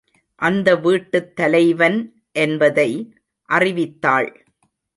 அந்த வீட்டுத் தலைவன் என்பதை அறிவித்தாள்.